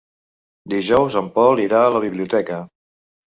Dijous en Pol irà a la biblioteca.